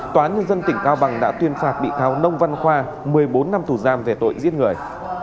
tòa án nhân dân tỉnh cao bằng đã tuyên phạt bị cáo nông văn khoa một mươi bốn năm tù giam về tội giết người